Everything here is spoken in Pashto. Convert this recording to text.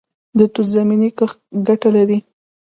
د توت زمینی کښت ګټه لري؟